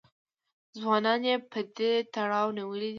ځوانان یې په دې تړاو نیولي دي